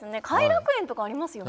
偕楽園とかありますよね。